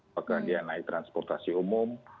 apakah dia naik transportasi umum